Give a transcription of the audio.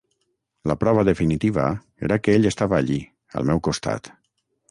La prova definitiva era que ell estava allí, al meu costat.